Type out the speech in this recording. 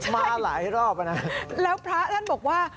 มาหลายรอบน่ะครับครับใช่แล้วพระท่านบอกว่า